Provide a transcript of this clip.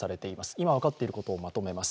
今分かっていることをまとめます。